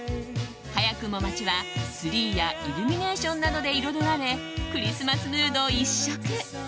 早くも街は、ツリーやイルミネーションなどで彩られクリスマスムード一色。